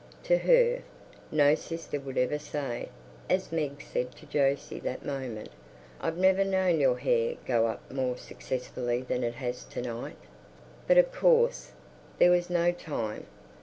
to her; no sister would ever say, as Meg said to Jose that moment, "I've never known your hair go up more successfully than it has to night!" But, of course, there was no time.